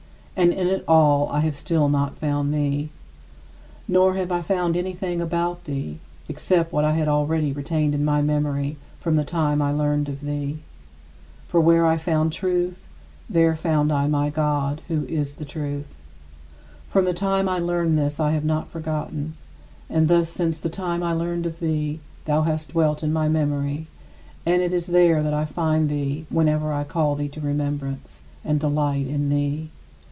And in it all I have still not found thee. Nor have I found anything about thee, except what I had already retained in my memory from the time I learned of thee. For where I found Truth, there found I my God, who is the Truth. From the time I learned this I have not forgotten. And thus since the time I learned of thee, thou hast dwelt in my memory, and it is there that I find thee whenever I call thee to remembrance, and delight in thee.